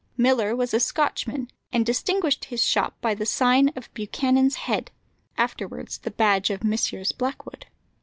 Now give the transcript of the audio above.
Millar was a Scotchman, and distinguished his shop by the sign of Buchanan's Head, afterwards the badge of Messrs. Blackwood.